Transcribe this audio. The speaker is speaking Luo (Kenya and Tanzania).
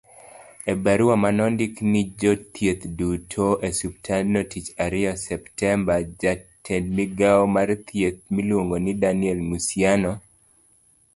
EbaruamaneondikinejotichdutoeosiptandnoTichAriyo, Septemba, jatendmigaomarthiethmiluongoniDanielMusianinowachonigimaneomiyoosiptandnoolorapoyaneennikechtungnimanenitieeosiptandno.